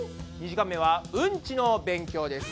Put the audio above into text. ２時間目はうんちの勉強です。